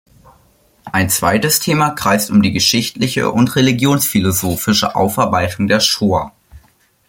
Ein zweites Thema kreist um die geschichtliche und religionsphilosophische Aufarbeitung der Shoah.